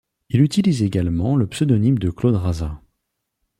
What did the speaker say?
Il utilise également le pseudonyme de Claude Razat.